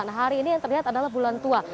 nah hari ini yang terlihat adalah bulan tua